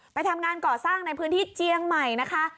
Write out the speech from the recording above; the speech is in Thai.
ไปทำงานก่อสร้างในพื้นที่เจียงใหม่นะคะ